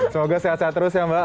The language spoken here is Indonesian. semoga sehat sehat terus ya mbak